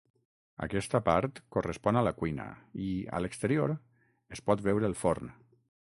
Aquesta part correspon a la cuina i, a l’exterior, es pot veure el forn.